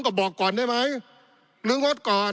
ปี๑เกณฑ์ทหารแสน๒